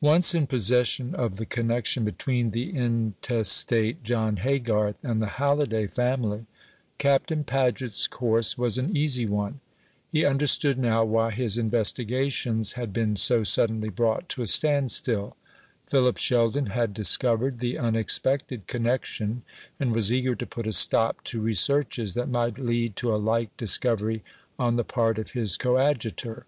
Once in possession of the connection between the intestate John Haygarth and the Halliday family, Captain Paget's course was an easy one. He understood now why his investigations had been so suddenly brought to a standstill. Philip Sheldon had discovered the unexpected connection, and was eager to put a stop to researches that might lead to a like discovery on the part of his coadjutor.